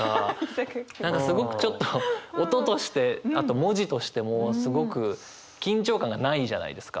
何かすごくちょっと音としてあと文字としてもすごく緊張感がないじゃないですか。